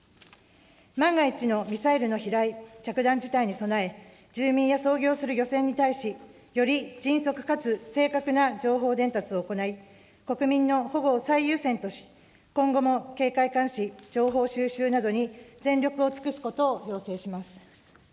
万が一のミサイルの飛来、着弾事態に備え、住民や操業する漁船に対し、より迅速かつ正確な情報伝達を行い、国民の保護を最優先とし、今後も警戒監視、情報収集などに全力を尽くすことを要請します。